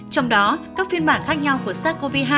trong đó các phiên bản khác nhau của sars cov hai